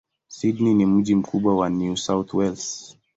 Sydney ni mji mkubwa wa New South Wales.